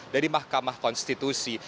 dari mahkamah konstitusi